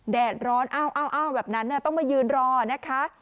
แดดร้อนอ้าวแบบนั้นต้องมายืนรอนะคะ